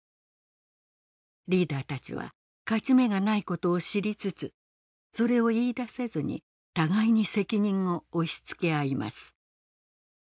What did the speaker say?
リーダーたちは勝ち目がないことを知りつつそれを言いだせずに互いに責任を押しつけ合います。